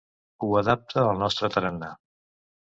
Ho adapta al nostre tarannà.